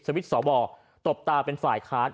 สวิตช์สอบ่อตบตาเป็นฝ่ายคลาส